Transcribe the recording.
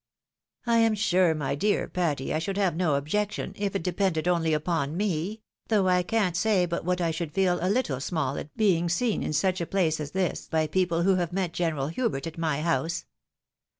" I am sure, my dear Patty, I should have no objection if it depended only upon me — ^though I can't say but what I should feel a little small at being seen in such a place as this by people who have met General Plubert at my house.